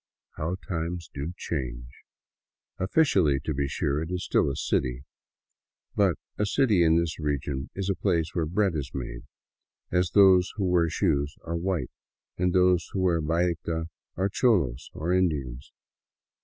'* How times do change! Officially, to be sure, it is still a city; but a " city " in this region is a place where bread is made, as those who wear shoes are white, and those who wear bayeta are cholos or Indians.